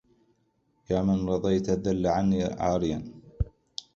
يا من رضيت الذل عني عاريا